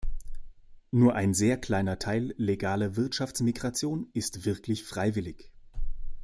Nur ein sehr kleiner Teil legaler Wirtschaftsmigration ist wirklich freiwillig.